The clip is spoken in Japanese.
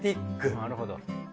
なるほど。